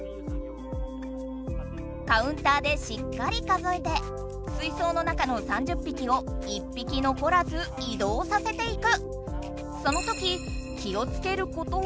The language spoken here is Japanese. カウンターでしっかり数えて水槽の中の３０ぴきを１ぴきのこらず移動させていく！